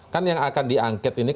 kan yang akan diangket ini